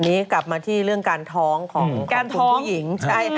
วันนี้กลับมาที่เรื่องการท้องของแก้มของผู้หญิง